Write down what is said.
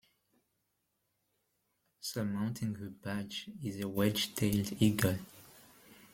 Surmounting the badge is a wedge-tailed eagle.